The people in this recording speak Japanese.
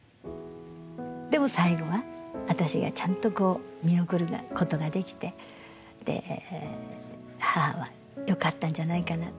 でも最後は私がちゃんとこう見送ることができてで母はよかったんじゃないかなって。